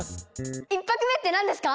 １拍目って何ですか？